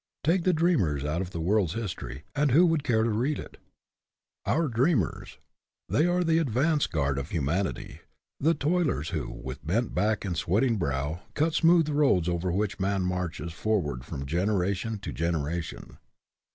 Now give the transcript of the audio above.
Take the dreamers out of the world's history, and who would care to read it? Our dreamers! They are the advance guard of humanity ; the toilers who, with bent back and sweating brow, cut smooth roads over which man marches forward from generation to generation.